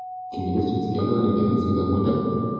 Can we lift him together and get him through that window?"